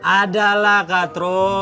ada lah kak tro